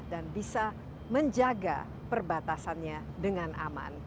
dan bisa menjaga perbatasannya dengan aman